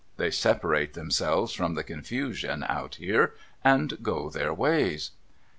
They separate themselves from the confusion, out here, and go their ways.'